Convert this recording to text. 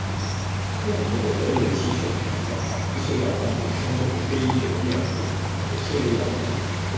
飛行服務隊每次出動執勤，必須有訓練充足的機組人員，亦須有檢驗妥當的飛機。